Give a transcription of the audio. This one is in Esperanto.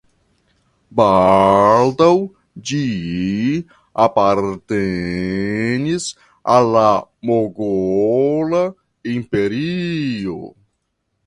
Baldaŭ ĝi apartenis al la Mogola Imperio.